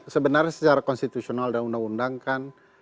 sebenarnya secara konstitusional dan undang undang kan